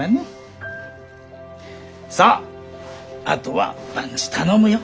さああとは万事頼むよ。